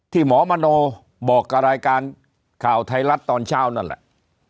หมอมโนบอกกับรายการข่าวไทยรัฐตอนเช้านั่นแหละ